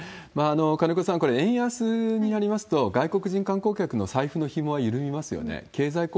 金子さん、これ、円安になりますと、外国人観光客の財布のひもは緩みますよね。